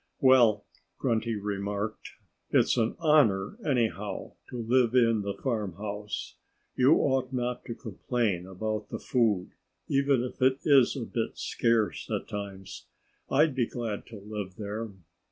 "Well," Grunty remarked, "it's an honor, anyhow, to live in the farmhouse. You ought not to complain about the food, even if it is a bit scarce at times. I'd be glad to live there.